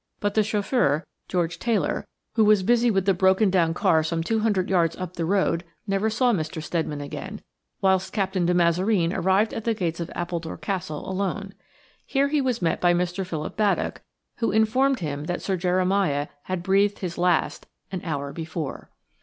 But the chauffeur, George Taylor, who was busy with the broken down car some two hundred yards up the road, never saw Mr. Steadman again, whilst Captain de Mazareen arrived at the gates of Appledore Castle alone. Here he was met by Mr. Philip Baddock, who informed him that Sir Jeremiah had breathed his last an hour before.